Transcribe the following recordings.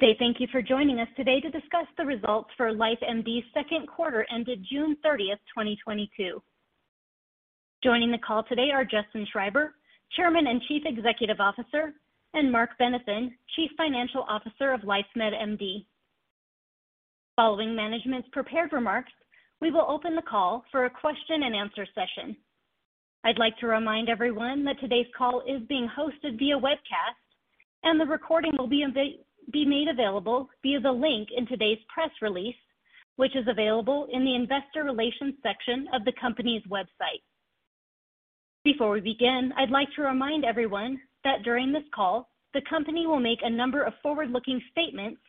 Thank you for joining us today to discuss the results for LifeMD's second quarter ended June 30, 2022. Joining the call today are Justin Schreiber, Chairman and Chief Executive Officer, and Marc Benathen, Chief Financial Officer of LifeMD. Following management's prepared remarks, we will open the call for a question-and-answer session. I'd like to remind everyone that today's call is being hosted via webcast, and the recording will be made available via the link in today's press release, which is available in the Investor Relations section of the company's website. Before we begin, I'd like to remind everyone that during this call, the company will make a number of forward-looking statements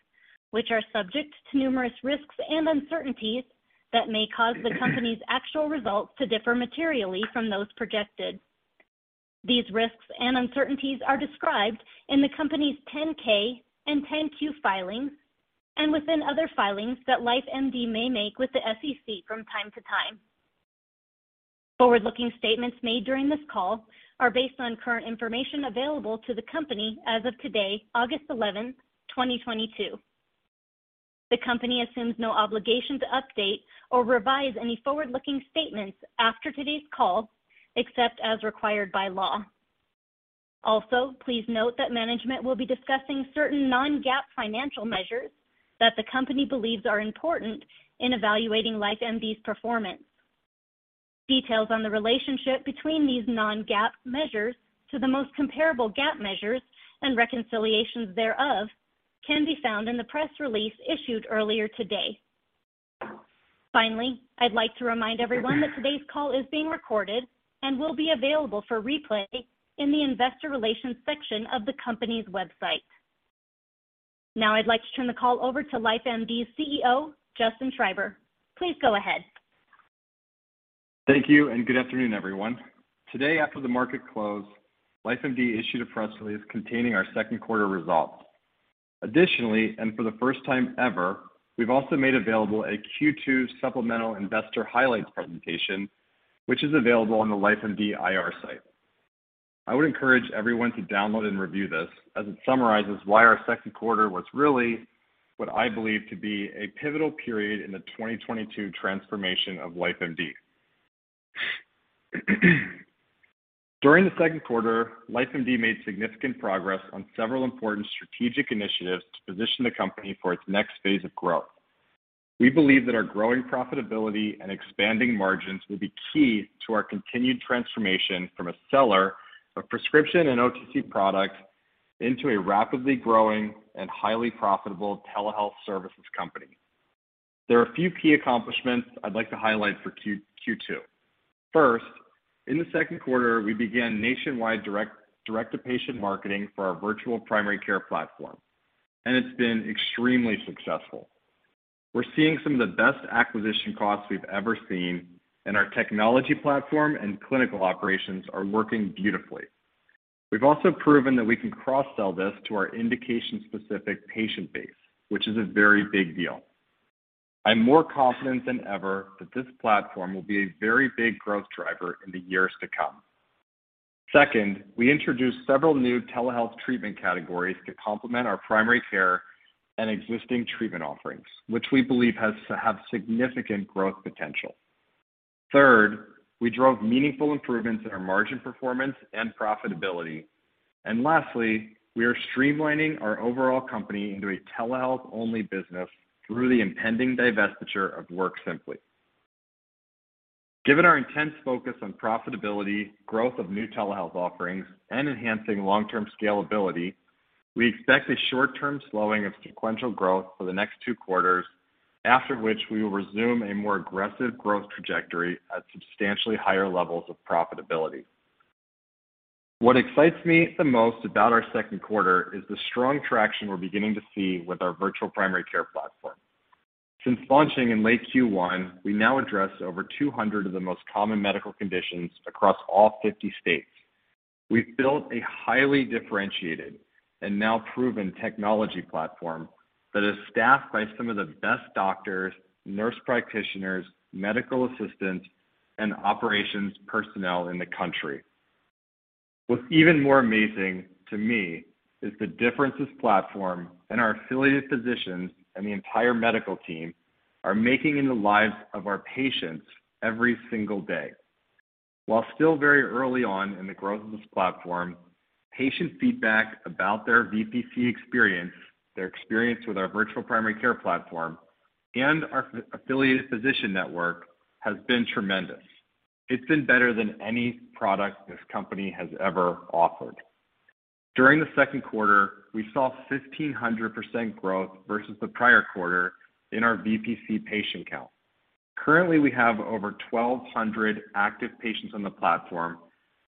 which are subject to numerous risks and uncertainties that may cause the company's actual results to differ materially from those projected. These risks and uncertainties are described in the company's 10-K and 10-Q filings and within other filings that LifeMD may make with the SEC from time to time. Forward-looking statements made during this call are based on current information available to the company as of today, August 11th, 2022. The company assumes no obligation to update or revise any forward-looking statements after today's call, except as required by law. Please note that management will be discussing certain non-GAAP financial measures that the company believes are important in evaluating LifeMD's performance. Details on the relationship between these non-GAAP measures to the most comparable GAAP measures and reconciliations thereof can be found in the press release issued earlier today. I'd like to remind everyone that today's call is being recorded and will be available for replay in the investor relations section of the company's website. Now, I'd like to turn the call over to LifeMD's CEO, Justin Schreiber. Please go ahead. Thank you and good afternoon, everyone. Today, after the market closed, LifeMD issued a press release containing our second quarter results. Additionally, and for the first time ever, we've also made available a Q2 supplemental investor highlights presentation, which is available on the LifeMD IR site. I would encourage everyone to download and review this as it summarizes why our second quarter was really what I believe to be a pivotal period in the 2022 transformation of LifeMD. During the second quarter, LifeMD made significant progress on several important strategic initiatives to position the company for its next phase of growth. We believe that our growing profitability and expanding margins will be key to our continued transformation from a seller of prescription and OTC products into a rapidly growing and highly profitable telehealth services company. There are a few key accomplishments I'd like to highlight for Q2. First, in the second quarter, we began nationwide direct-to-patient marketing for our virtual primary care platform, and it's been extremely successful. We're seeing some of the best acquisition costs we've ever seen, and our technology platform and clinical operations are working beautifully. We've also proven that we can cross-sell this to our indication-specific patient base, which is a very big deal. I'm more confident than ever that this platform will be a very big growth driver in the years to come. Second, we introduced several new telehealth treatment categories to complement our primary care and existing treatment offerings, which we believe have significant growth potential. Third, we drove meaningful improvements in our margin performance and profitability. Lastly, we are streamlining our overall company into a telehealth-only business through the impending divestiture of WorkSimpli. Given our intense focus on profitability, growth of new telehealth offerings, and enhancing long-term scalability, we expect a short-term slowing of sequential growth for the next two quarters, after which we will resume a more aggressive growth trajectory at substantially higher levels of profitability. What excites me the most about our second quarter is the strong traction we're beginning to see with our virtual primary care platform. Since launching in late Q1, we now address over 200 of the most common medical conditions across all 50 states. We've built a highly differentiated and now proven technology platform that is staffed by some of the best doctors, nurse practitioners, medical assistants, and operations personnel in the country. What's even more amazing to me is the difference this platform and our affiliated physicians and the entire medical team are making in the lives of our patients every single day. While still very early on in the growth of this platform, patient feedback about their VPC experience, their experience with our virtual primary care platform and our affiliated physician network has been tremendous. It's been better than any product this company has ever offered. During the second quarter, we saw 1,500% growth versus the prior quarter in our VPC patient count. Currently, we have over 1,200 active patients on the platform,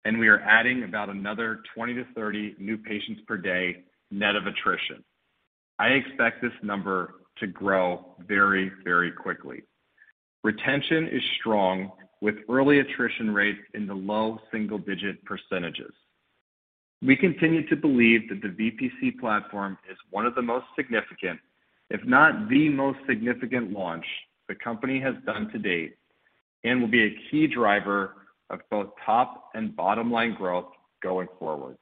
and we are adding about another 20-30 new patients per day net of attrition. I expect this number to grow very, very quickly. Retention is strong with early attrition rates in the low single-digit %. We continue to believe that the VPC platform is one of the most significant, if not the most significant launch the company has done to date and will be a key driver of both top and bottom-line growth going forward.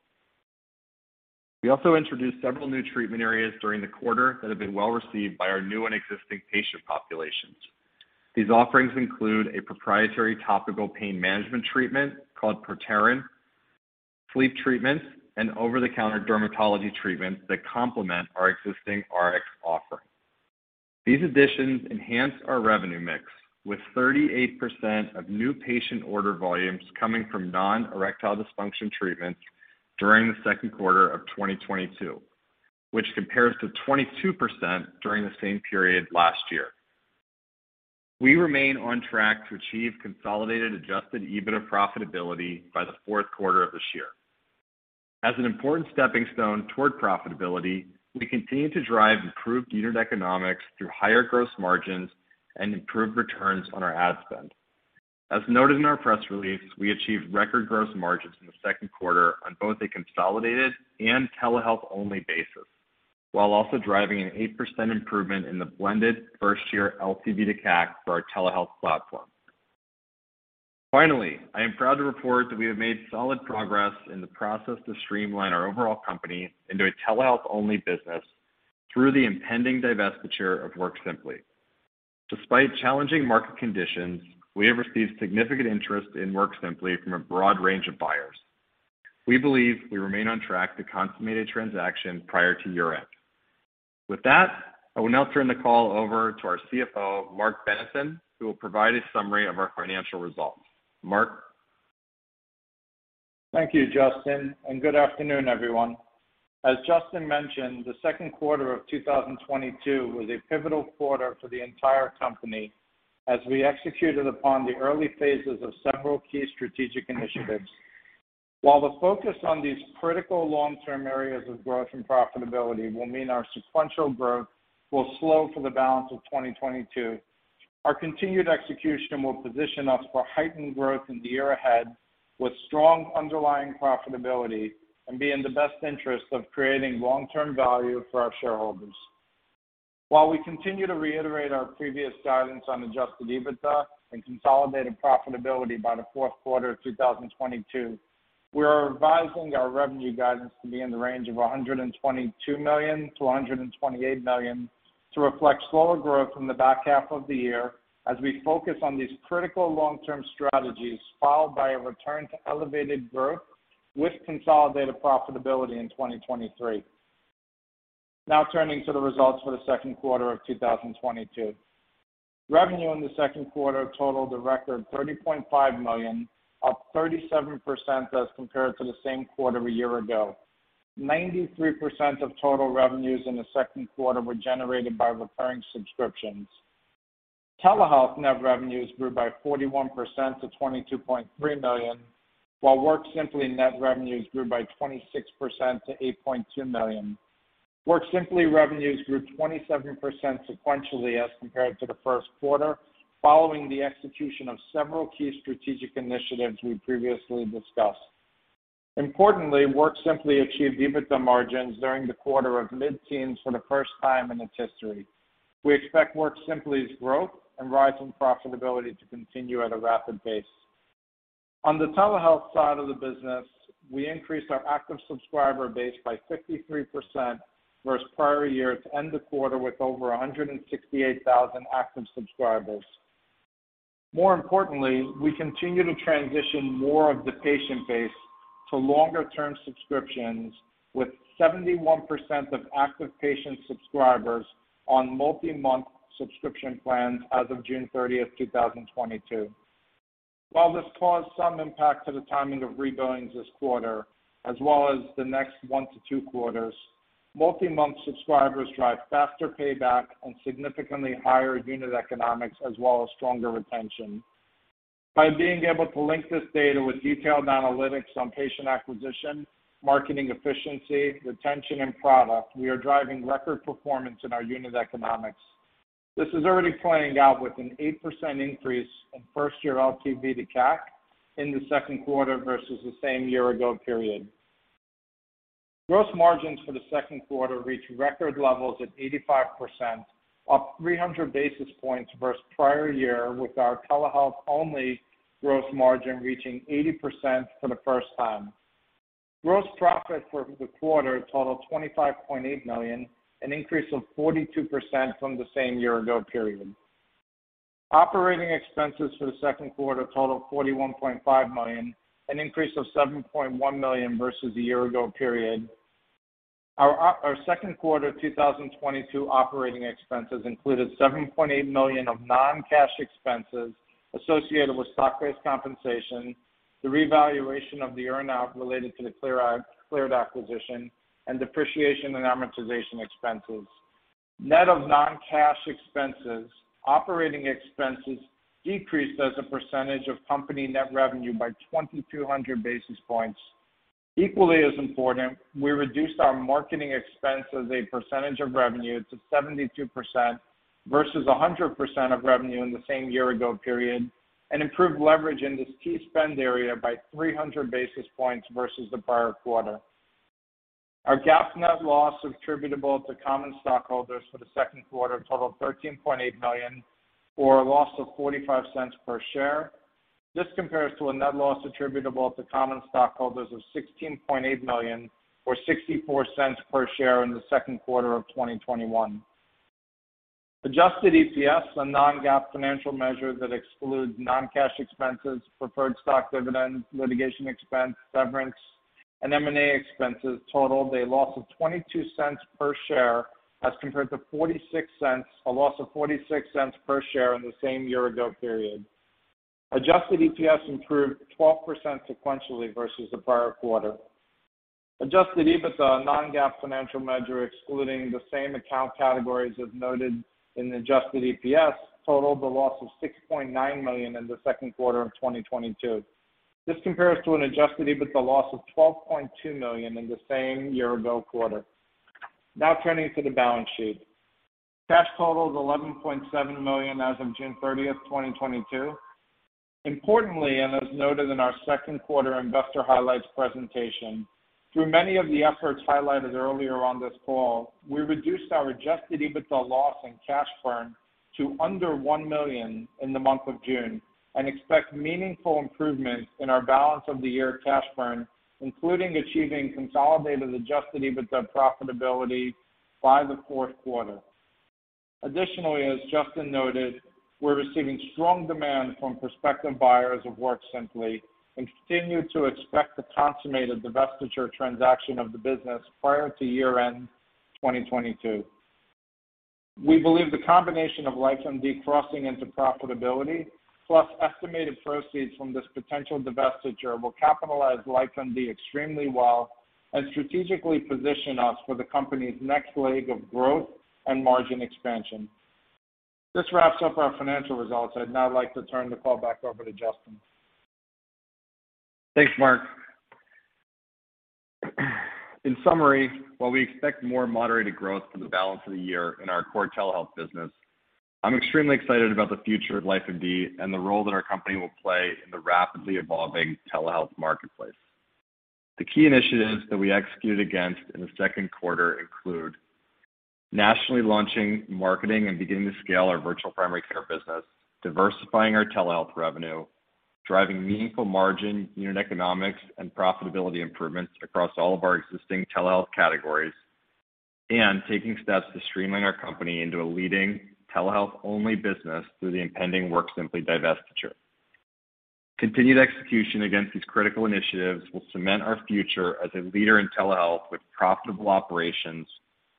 We also introduced several new treatment areas during the quarter that have been well-received by our new and existing patient populations. These offerings include a proprietary topical pain management treatment called Proteron, sleep treatments, and over-the-counter dermatology treatments that complement our existing RX offering. These additions enhance our revenue mix, with 38% of new patient order volumes coming from non-erectile dysfunction treatments during the second quarter of 2022, which compares to 22% during the same period last year. We remain on track to achieve consolidated Adjusted EBITDA profitability by the fourth quarter of this year. As an important stepping stone toward profitability, we continue to drive improved unit economics through higher gross margins and improved returns on our ad spend. As noted in our press release, we achieved record gross margins in the second quarter on both a consolidated and telehealth-only basis, while also driving an 8% improvement in the blended first-year LTV to CAC for our telehealth platform. Finally, I am proud to report that we have made solid progress in the process to streamline our overall company into a telehealth-only business through the impending divestiture of WorkSimpli. Despite challenging market conditions, we have received significant interest in WorkSimpli from a broad range of buyers. We believe we remain on track to consummate a transaction prior to year-end. With that, I will now turn the call over to our CFO, Marc Benathen, who will provide a summary of our financial results. Marc? Thank you, Justin, and good afternoon, everyone. As Justin mentioned, the second quarter of 2022 was a pivotal quarter for the entire company as we executed upon the early phases of several key strategic initiatives. While the focus on these critical long-term areas of growth and profitability will mean our sequential growth will slow for the balance of 2022, our continued execution will position us for heightened growth in the year ahead with strong underlying profitability and be in the best interest of creating long-term value for our shareholders. While we continue to reiterate our previous guidance on Adjusted EBITDA and consolidated profitability by the fourth quarter of 2022, we are revising our revenue guidance to be in the range of $122 million-$128 million to reflect slower growth in the back half of the year as we focus on these critical long-term strategies, followed by a return to elevated growth with consolidated profitability in 2023. Now turning to the results for the second quarter of 2022. Revenue in the second quarter totaled a record $30.5 million, up 37% as compared to the same quarter a year ago. 93% of total revenues in the second quarter were generated by recurring subscriptions. Telehealth net revenues grew by 41% to $22.3 million, while WorkSimpli net revenues grew by 26% to $8.2 million. WorkSimpli revenues grew 27% sequentially as compared to the first quarter, following the execution of several key strategic initiatives we previously discussed. Importantly, WorkSimpli achieved EBITDA margins during the quarter of mid-teens for the first time in its history. We expect WorkSimpli's growth and rise in profitability to continue at a rapid pace. On the telehealth side of the business, we increased our active subscriber base by 53% versus prior year to end the quarter with over 168,000 active subscribers. More importantly, we continue to transition more of the patient base to longer-term subscriptions, with 71% of active patient subscribers on multi-month subscription plans as of June 30, 2022. While this caused some impact to the timing of rebillings this quarter, as well as the next one to two quarters, multi-month subscribers drive faster payback and significantly higher unit economics, as well as stronger retention. By being able to link this data with detailed analytics on patient acquisition, marketing efficiency, retention, and product, we are driving record performance in our unit economics. This is already playing out with an 8% increase in first-year LTV to CAC in the second quarter versus the same year-ago period. Gross margins for the second quarter reached record levels at 85%, up 300 basis points versus prior year, with our telehealth-only gross margin reaching 80% for the first time. Gross profit for the quarter totaled $25.8 million, an increase of 42% from the same year-ago period. Operating expenses for the second quarter totaled $41.5 million, an increase of $7.1 million versus the year-ago period. Our second quarter 2022 operating expenses included $7.8 million of non-cash expenses associated with stock-based compensation, the revaluation of the earn-out related to the Cleared acquisition, and depreciation and amortization expenses. Net of non-cash expenses, operating expenses decreased as a percentage of company net revenue by 200 basis points. Equally as important, we reduced our marketing expense as a percentage of revenue to 72% versus 100% of revenue in the same year-ago period and improved leverage in this key spend area by 300 basis points versus the prior quarter. Our GAAP net loss attributable to common stockholders for the second quarter totaled $13.8 million or a loss of $0.45 per share. This compares to a net loss attributable to common stockholders of $16.8 million or $0.64 per share in the second quarter of 2021. Adjusted EPS, a non-GAAP financial measure that excludes non-cash expenses, preferred stock dividends, litigation expense, severance, and M&A expenses totaled a loss of $0.22 per share as compared to $0.46, a loss of $0.46 per share in the same year ago period. Adjusted EPS improved 12% sequentially versus the prior quarter. Adjusted EBITDA, a non-GAAP financial measure excluding the same account categories as noted in the adjusted EPS, totaled a loss of $6.9 million in the second quarter of 2022. This compares to an adjusted EBITDA loss of $12.2 million in the same year ago quarter. Now turning to the balance sheet. Cash total is $11.7 million as of June 30, 2022. Importantly, as noted in our second quarter investor highlights presentation, through many of the efforts highlighted earlier on this call, we reduced our adjusted EBITDA loss and cash burn to under $1 million in the month of June and expect meaningful improvements in our balance of the year cash burn, including achieving consolidated adjusted EBITDA profitability by the fourth quarter. Additionally, as Justin noted, we're receiving strong demand from prospective buyers of WorkSimpli and continue to expect the consummated divestiture transaction of the business prior to year-end 2022. We believe the combination of LifeMD crossing into profitability plus estimated proceeds from this potential divestiture will capitalize LifeMD extremely well and strategically position us for the company's next leg of growth and margin expansion. This wraps up our financial results. I'd now like to turn the call back over to Justin. Thanks, Marc. In summary, while we expect more moderated growth for the balance of the year in our core telehealth business, I'm extremely excited about the future of LifeMD and the role that our company will play in the rapidly evolving telehealth marketplace. The key initiatives that we executed against in the second quarter include nationally launching marketing and beginning to scale our virtual primary care business, diversifying our telehealth revenue, driving meaningful margin unit economics and profitability improvements across all of our existing telehealth categories, and taking steps to streamline our company into a leading telehealth-only business through the impending WorkSimpli divestiture. Continued execution against these critical initiatives will cement our future as a leader in telehealth with profitable operations,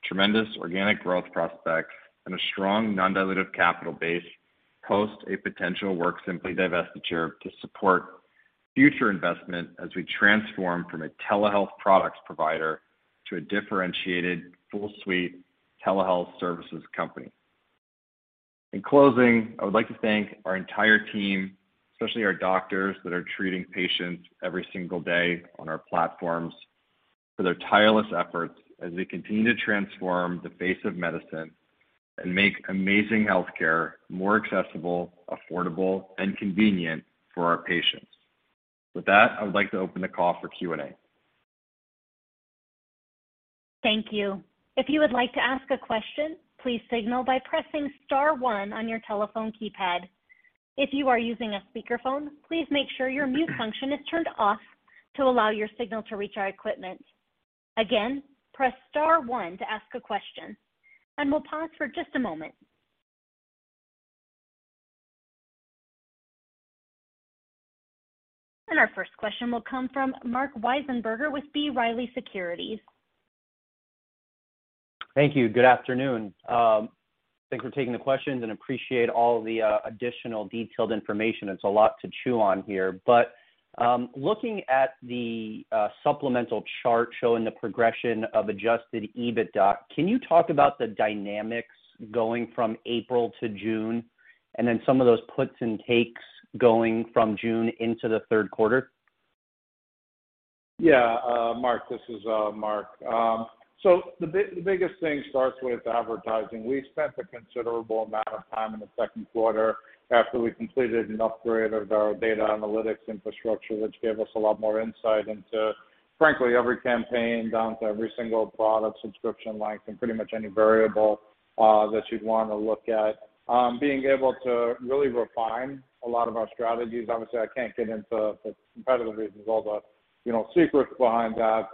tremendous organic growth prospects, and a strong non-dilutive capital base post a potential WorkSimpli divestiture to support future investment as we transform from a telehealth products provider to a differentiated full suite telehealth services company. In closing, I would like to thank our entire team, especially our doctors that are treating patients every single day on our platforms, for their tireless efforts as we continue to transform the face of medicine and make amazing health care more accessible, affordable, and convenient for our patients. With that, I would like to open the call for Q&A. Thank you. If you would like to ask a question, please signal by pressing star one on your telephone keypad. If you are using a speakerphone, please make sure your mute function is turned off to allow your signal to reach our equipment. Again, press star one to ask a question, and we'll pause for just a moment. Our first question will come from Marc Weisenberger with B. Riley Securities. Thank you. Good afternoon. Thanks for taking the questions and appreciate all the additional detailed information. It's a lot to chew on here. Looking at the supplemental chart showing the progression of Adjusted EBITDA, can you talk about the dynamics going from April to June and then some of those puts and takes going from June into the third quarter? Yeah. Marc, this is Marc. So the biggest thing starts with advertising. We spent a considerable amount of time in the second quarter after we completed an upgrade of our data analytics infrastructure, which gave us a lot more insight into, frankly, every campaign down to every single product subscription length and pretty much any variable that you'd wanna look at. Being able to really refine a lot of our strategies. Obviously, I can't get into, for competitive reasons, all the, you know, secrets behind that.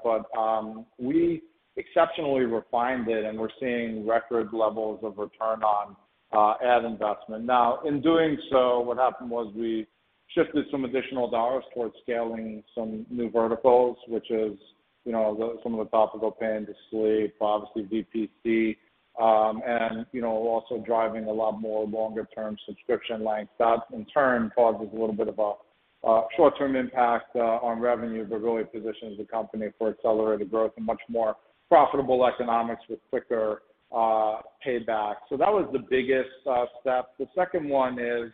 We exceptionally refined it, and we're seeing record levels of return on ad investment. Now, in doing so, what happened was we shifted some additional dollars towards scaling some new verticals, which is, you know, the, some of the topical pain to sleep, obviously VPC, and, you know, also driving a lot more longer term subscription length. That in turn causes a little bit of short-term impact on revenue, but really positions the company for accelerated growth and much more profitable economics with quicker payback. That was the biggest step. The second one is,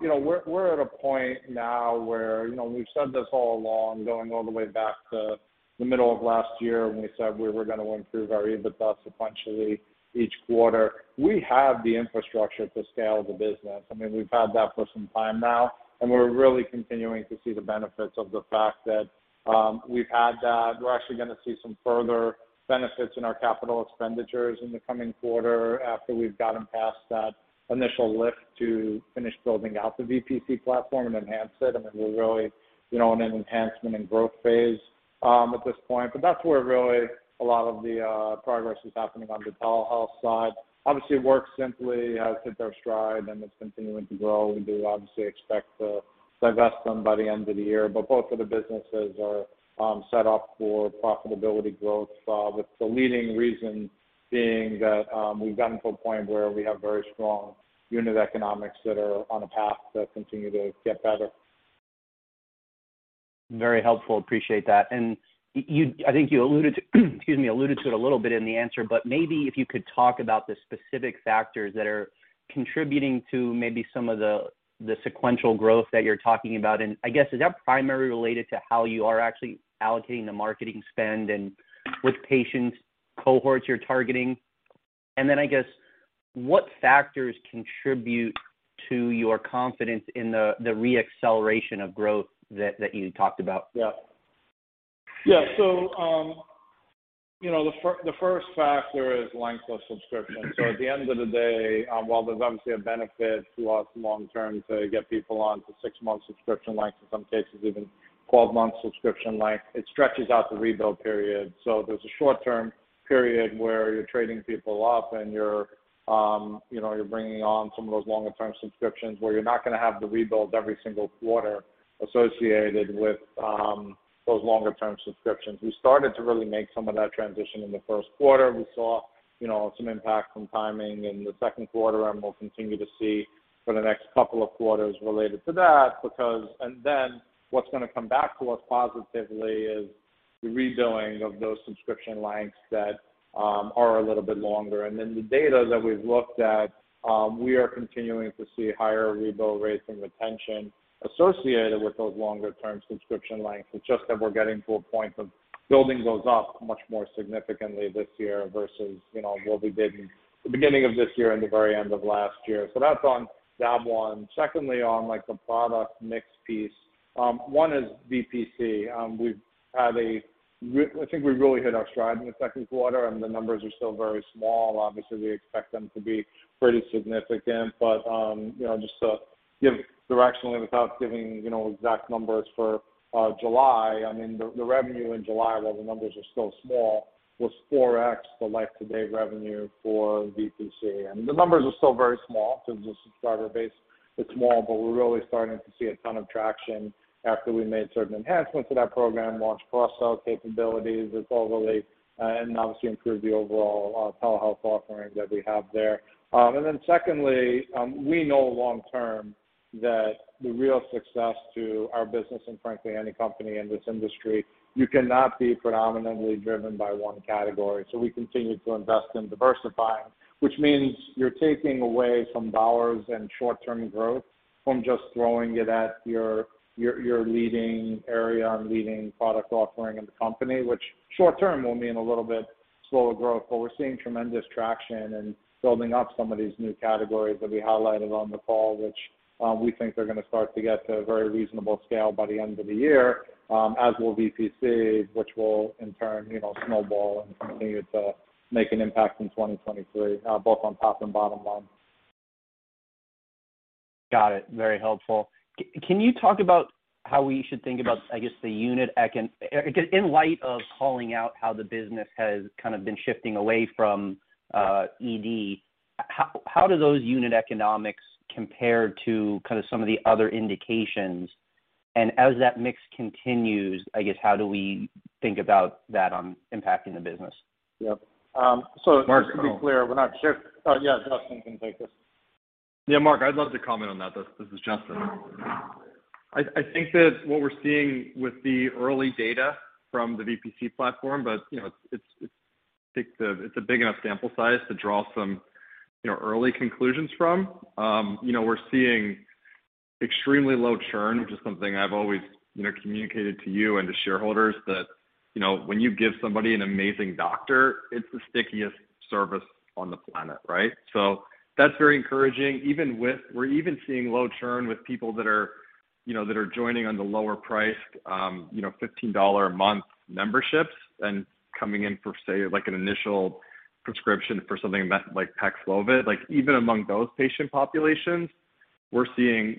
you know, we're at a point now where, you know, we've said this all along, going all the way back to the middle of last year when we said we were gonna improve our EBITDA sequentially each quarter. We have the infrastructure to scale the business. I mean, we've had that for some time now, and we're really continuing to see the benefits of the fact that we've had that. We're actually gonna see some further benefits in our capital expenditures in the coming quarter after we've gotten past that initial lift to finish building out the VPC platform and enhance it. I mean, we're really, you know, in an enhancement and growth phase at this point. But that's where really a lot of the progress is happening on the telehealth side. Obviously, WorkSimpli has hit their stride, and it's continuing to grow. We do obviously expect to divest them by the end of the year. Both of the businesses are set up for profitability growth, with the leading reason being that, we've gotten to a point where we have very strong unit economics that are on a path to continue to get better. Very helpful. Appreciate that. You—I think you alluded to it a little bit in the answer, but maybe if you could talk about the specific factors that are contributing to maybe some of the sequential growth that you're talking about. I guess, is that primarily related to how you are actually allocating the marketing spend and which patient cohorts you're targeting? I guess, what factors contribute to your confidence in the reacceleration of growth that you talked about? Yeah. Yeah. You know, the first factor is length of subscription. At the end of the day, while there's obviously a benefit to us long term to get people onto six-month subscription lengths, in some cases even 12-month subscription length, it stretches out the rebuild period. There's a short-term period where you're trading people up and you're, you know, you're bringing on some of those longer-term subscriptions where you're not gonna have to rebuild every single quarter associated with those longer term subscriptions. We started to really make some of that transition in the first quarter. We saw, you know, some impact from timing in the second quarter, and we'll continue to see for the next couple of quarters related to that. What's gonna come back to us positively is the redoing of those subscription lengths that are a little bit longer. The data that we've looked at, we are continuing to see higher rebuild rates and retention associated with those longer-term subscription lengths. It's just that we're getting to a point of building those up much more significantly this year versus, you know, what we did the beginning of this year and the very end of last year. That's on that one. Secondly, on like the product mix piece, one is VPC. I think we really hit our stride in the second quarter, and the numbers are still very small. Obviously, we expect them to be pretty significant. You know, just to give directionally without giving, you know, exact numbers for July, I mean, the revenue in July, while the numbers are still small, was 4x the year-to-date revenue for VPC. The numbers are still very small since the subscriber base is small, but we're really starting to see a ton of traction after we made certain enhancements to that program, launched cross-sell capabilities with Overlake, and obviously improved the overall telehealth offering that we have there. Secondly, we know long term that the real success to our business and frankly any company in this industry, you cannot be predominantly driven by one category. We continue to invest in diversifying, which means you're taking away some dollars and short-term growth from just throwing it at your leading area and leading product offering in the company, which short-term will mean a little bit slower growth. But we're seeing tremendous traction in building up some of these new categories that we highlighted on the call, which we think are gonna start to get to a very reasonable scale by the end of the year, as will VPC, which will in turn, you know, snowball and continue to make an impact in 2023, both on top and bottom line. Got it. Very helpful. Can you talk about how we should think about, I guess, the unit economics 'cause in light of calling out how the business has kind of been shifting away from ED, how do those unit economics compare to kind of some of the other indications? As that mix continues, I guess, how do we think about that on impacting the business? Yep. Marc- Just to be clear, we're not sure. Oh, yeah, Justin can take this. Yeah, Marc, I'd love to comment on that. This is Justin. I think that what we're seeing with the early data from the VPC platform, but you know, it's a big enough sample size to draw some early conclusions from. You know, we're seeing extremely low churn, which is something I've always communicated to you and to shareholders that when you give somebody an amazing doctor, it's the stickiest service on the planet, right? So that's very encouraging. We're even seeing low churn with people that are joining on the lower price, you know, $15 a month memberships and coming in for, say, like, an initial prescription for something like Paxlovid. Like, even among those patient populations, we're seeing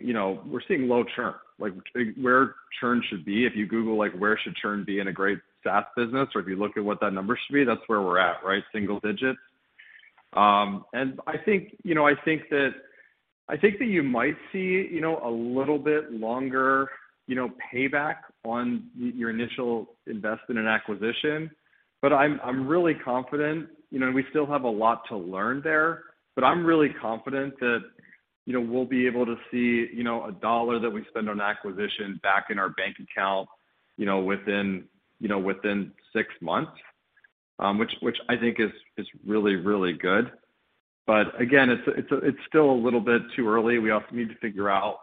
low churn. Like, where churn should be. If you Google, like, where should churn be in a great SaaS business, or if you look at what that number should be, that's where we're at, right? Single digits. I think, you know, that you might see, you know, a little bit longer, you know, payback on your initial investment in acquisition. I'm really confident, you know, and we still have a lot to learn there, but I'm really confident that, you know, we'll be able to see, you know, a dollar that we spend on acquisition back in our bank account, you know, within six months, which I think is really, really good. Again, it's still a little bit too early. We need to figure out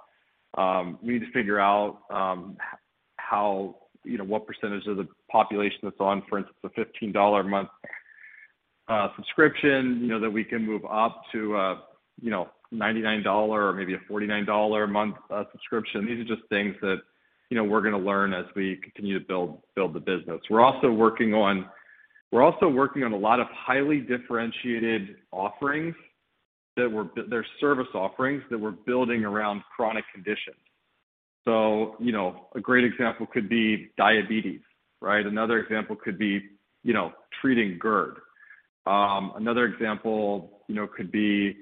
how, you know, what percentage of the population that's on, for instance, a $15 a month subscription, you know, that we can move up to a, you know, $99 or maybe a $49 a month subscription. These are just things that, you know, we're gonna learn as we continue to build the business. We're also working on a lot of highly differentiated service offerings that we're building around chronic conditions. You know, a great example could be diabetes, right? Another example could be, you know, treating GERD. Another example, you know, could be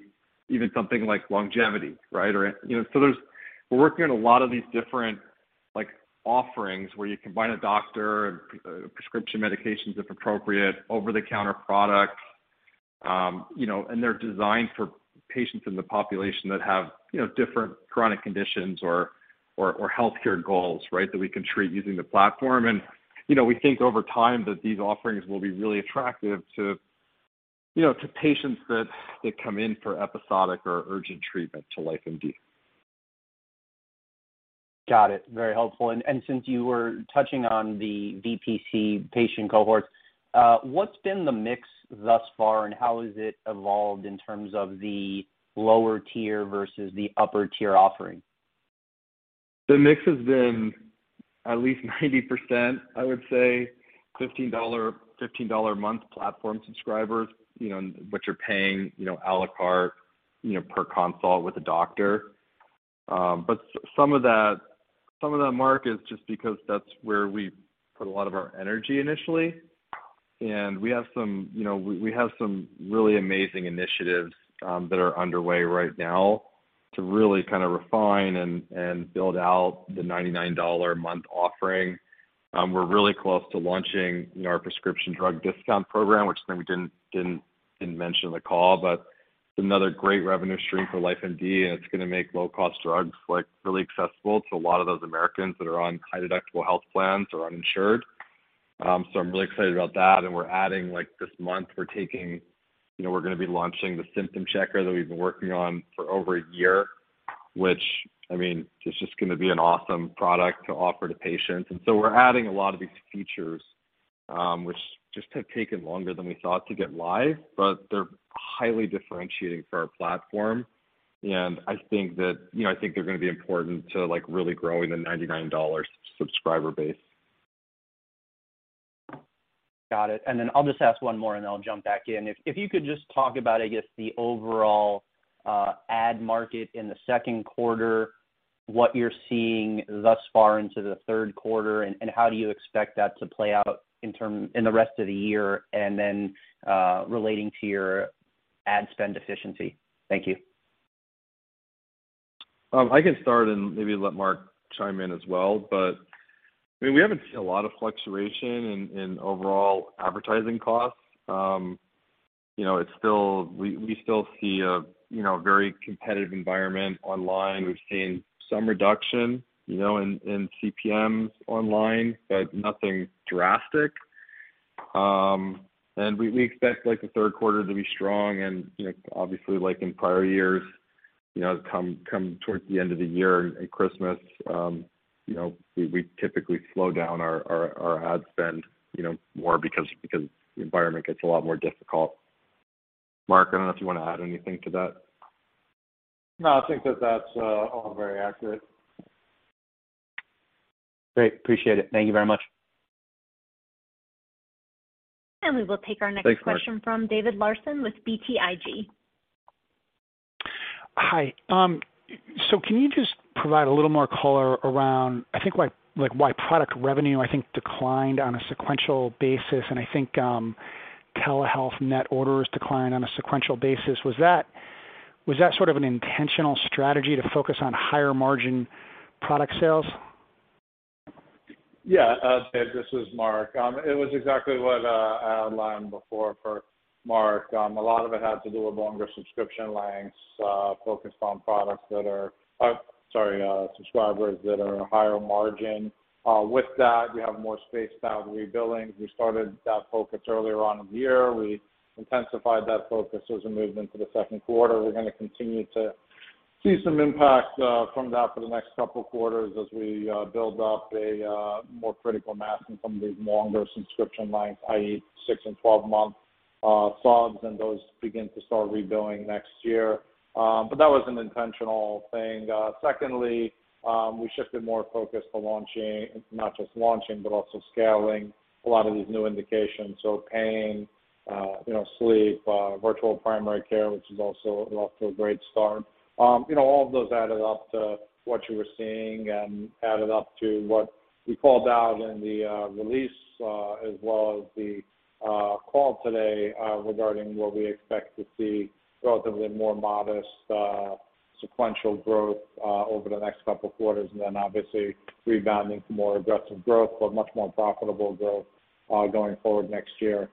even something like longevity, right? We're working on a lot of these different, like, offerings where you combine a doctor and prescription medications, if appropriate, over-the-counter products, you know, and they're designed for patients in the population that have, you know, different chronic conditions or healthcare goals, right, that we can treat using the platform. You know, we think over time that these offerings will be really attractive to, you know, to patients that come in for episodic or urgent treatment to LifeMD. Got it. Very helpful. Since you were touching on the VPC patient cohorts, what's been the mix thus far, and how has it evolved in terms of the lower tier versus the upper tier offering? The mix has been at least 90%, I would say, $15 a month platform subscribers, you know, which are paying, you know, à la carte, you know, per consult with a doctor. Some of that, Marc, is just because that's where we put a lot of our energy initially. We have some you know really amazing initiatives that are underway right now to really kind of refine and build out the $99 a month offering. We're really close to launching, you know, our prescription drug discount program, which is something we didn't mention on the call, but it's another great revenue stream for LifeMD, and it's gonna make low cost drugs, like, really accessible to a lot of those Americans that are on high deductible health plans or uninsured. So I'm really excited about that. We're adding, like, this month, we're taking, you know, we're gonna be launching the symptom checker that we've been working on for over a year, which I mean, is just gonna be an awesome product to offer to patients. We're adding a lot of these features, which just have taken longer than we thought to get live, but they're highly differentiating for our platform. I think that, you know, I think they're gonna be important to, like, really growing the $99 subscriber base. Got it. I'll just ask one more, and then I'll jump back in. If you could just talk about, I guess, the overall ad market in the second quarter, what you're seeing thus far into the third quarter, and how do you expect that to play out in the rest of the year, and then relating to your ad spend efficiency. Thank you. I can start and maybe let Marc chime in as well. I mean, we haven't seen a lot of fluctuation in overall advertising costs. You know, it's still. We still see a you know very competitive environment online. We've seen some reduction, you know, in CPMs online, but nothing drastic. We expect, like, the third quarter to be strong. You know, obviously like in prior years, you know, come towards the end of the year and Christmas, you know, we typically slow down our ad spend, you know, more because the environment gets a lot more difficult. Marc, I don't know if you wanna add anything to that. No, I think that that's all very accurate. Great. Appreciate it. Thank you very much. We will take our next question from David Larsen with BTIG. Hi. Can you just provide a little more color around, I think like, why product revenue, I think, declined on a sequential basis, and I think, telehealth net orders declined on a sequential basis. Was that sort of an intentional strategy to focus on higher margin product sales? Yeah. David, this is Marc. It was exactly what I outlined before for Marc. A lot of it had to do with longer subscription lengths, focused on subscribers that are higher margin. With that, we have more space now to rebilling. We started that focus earlier on in the year. We intensified that focus as we moved into the second quarter. We're gonna continue to see some impact from that for the next couple quarters as we build up a more critical mass from these longer subscription lengths, i.e., six and 12 month subs, and those begin to start rebilling next year. That was an intentional thing. Secondly, we shifted more focus to launching, not just launching, but also scaling a lot of these new indications. Pain, you know, sleep, virtual primary care, which is also off to a great start. You know, all of those added up to what you were seeing and what we called out in the release, as well as the call today, regarding what we expect to see, relatively more modest sequential growth over the next couple of quarters, and then obviously rebounding to more aggressive growth, but much more profitable growth, going forward next year.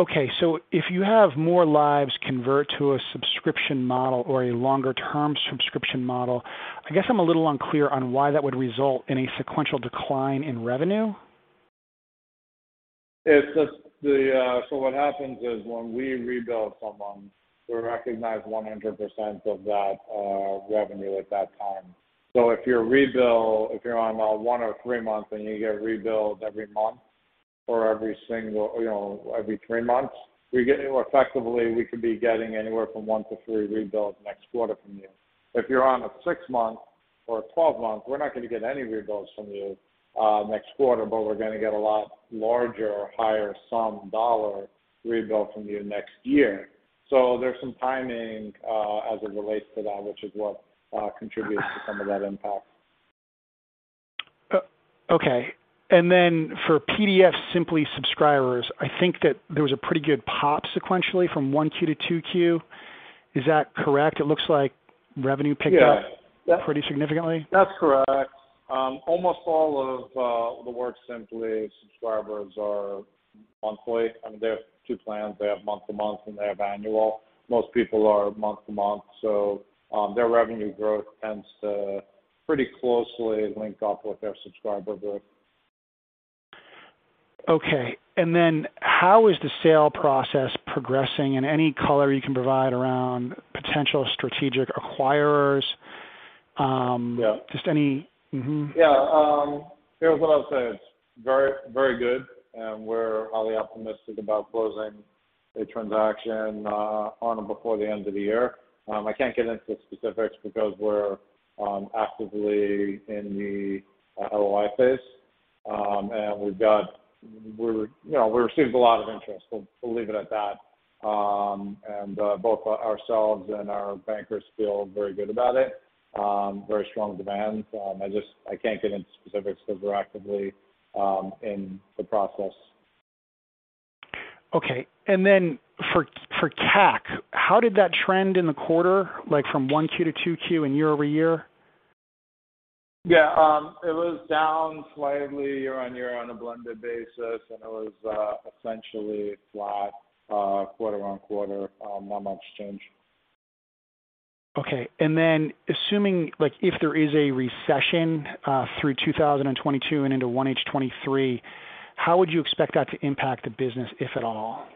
Okay. If you have more lives convert to a subscription model or a longer-term subscription model, I guess I'm a little unclear on why that would result in a sequential decline in revenue. What happens is when we rebill someone, we recognize 100% of that revenue at that time. If you're on a one or three month and you get rebilled every month or every single, you know, every three months, we get, you know, effectively, we could be getting anywhere from one to three rebills next quarter from you. If you're on a six-month or a 12-month, we're not gonna get any rebills from you next quarter, but we're gonna get a lot larger or higher sum dollar rebill from you next year. There's some timing as it relates to that, which is what contributes to some of that impact. Okay. For PDFSimpli subscribers, I think that there was a pretty good pop sequentially from Q1-Q2. Is that correct? It looks like revenue picked up. Yeah. Pretty significantly. That's correct. Almost all of the WorkSimpli subscribers are monthly. I mean, they have two plans. They have month-to-month, and they have annual. Most people are month-to-month, so their revenue growth tends to pretty closely link up with their subscriber group. Okay. Then how is the sale process progressing, and any color you can provide around potential strategic acquirers? Yeah. Mm-hmm. Yeah. Here's what I'll say. It's very, very good, and we're highly optimistic about closing a transaction on or before the end of the year. I can't get into specifics because we're actively in the LOI phase. We're, you know, we've received a lot of interest. We'll leave it at that. Both ourselves and our bankers feel very good about it. Very strong demand. I just can't get into specifics 'cause we're actively in the process. Okay. For CAC, how did that trend in the quarter, like from one Q to 2Q and year-over-year? Yeah. It was down slightly year-on-year on a blended basis, and it was essentially flat quarter-on-quarter, not much change. Okay. Assuming, like, if there is a recession through 2022 and into 1H 2023, how would you expect that to impact the business, if at all?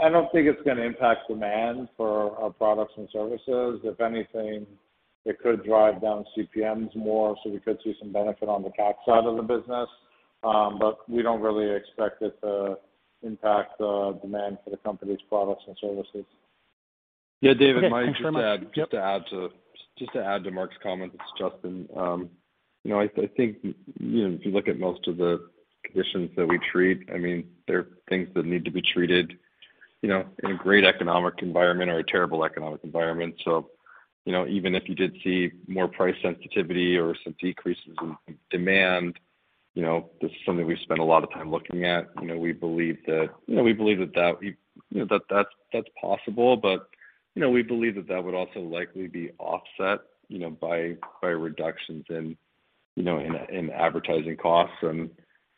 I don't think it's gonna impact demand for our products and services. If anything, it could drive down CPMs more, so we could see some benefit on the CAC side of the business. We don't really expect it to impact the demand for the company's products and services. Okay. Thanks very much. Yeah, David, just to add to Marc's comments. It's Justin. You know, I think, you know, if you look at most of the conditions that we treat, I mean, there are things that need to be treated, you know, in a great economic environment or a terrible economic environment. You know, even if you did see more price sensitivity or some decreases in demand, you know, this is something we've spent a lot of time looking at. You know, we believe that that's possible. But you know, we believe that that would also likely be offset, you know, by reductions in advertising costs.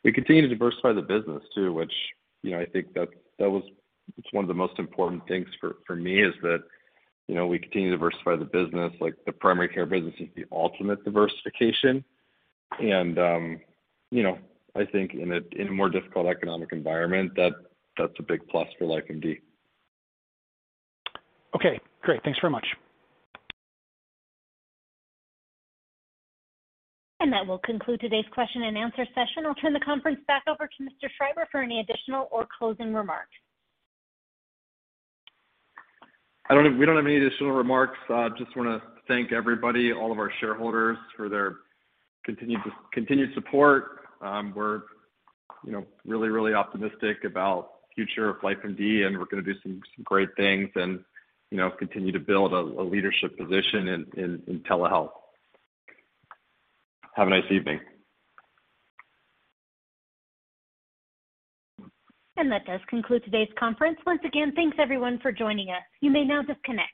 We continue to diversify the business too, which, you know, I think it's one of the most important things for me is that, you know, we continue to diversify the business, like the primary care business is the ultimate diversification. You know, I think in a more difficult economic environment, that's a big plus for LifeMD. Okay, great. Thanks very much. That will conclude today's question and answer session. I'll turn the conference back over to Mr. Schreiber for any additional or closing remarks. We don't have any additional remarks. Just wanna thank everybody, all of our shareholders for their continued support. We're, you know, really optimistic about future of LifeMD, and we're gonna do some great things and, you know, continue to build a leadership position in telehealth. Have a nice evening. That does conclude today's conference. Once again, thanks everyone for joining us. You may now disconnect.